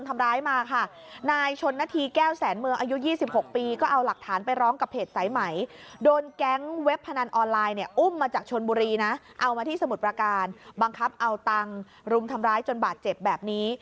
เอามาที่สมุดปราการบังคับเอาตังค์รุมทำร้ายจนบาดเจ็บแบบนี้